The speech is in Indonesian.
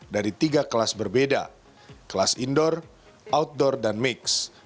dari tiga kelas berbeda kelas indoor outdoor dan mix